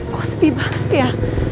kospi banget ya